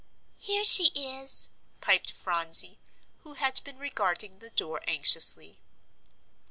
"Here she is," piped Phronsie, who had been regarding the door anxiously.